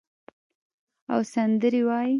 او سندرې وایې